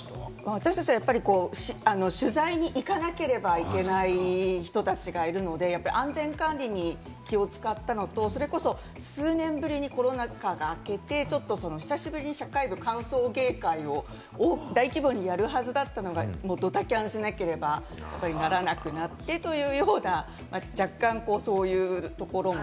私達、取材に行かなければいけない人たちがいるので、安全管理に気を使ったのと、それこそ数年ぶりにコロナ禍が明けて、久しぶりに社会部歓送迎会を大規模にやるはずだったのが、もうドタキャンしなければならなくなってというような、若干そういうところも。